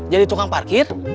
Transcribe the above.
jadi tukang parkir